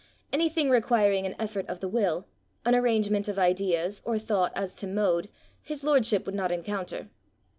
Anything requiring an effort of the will, an arrangement of ideas, or thought as to mode, his lordship would not encounter.